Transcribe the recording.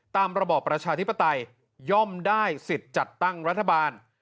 ระบอบประชาธิปไตยย่อมได้สิทธิ์จัดตั้งรัฐบาล